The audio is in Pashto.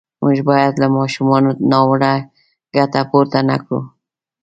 موږ باید له ماشومانو ناوړه ګټه پورته نه کړو.